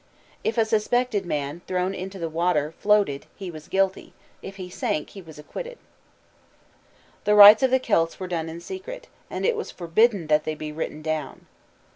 If a suspected man, thrown into the water, floated he was guilty; if he sank, he was acquitted. The rites of the Celts were done in secret, and it was forbidden that they be written down.